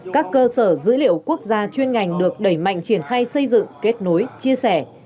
các cơ sở dữ liệu quốc gia chuyên ngành được đẩy mạnh triển khai xây dựng kết nối chia sẻ